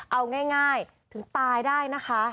เอาง่ายถึงตายได้นะคะ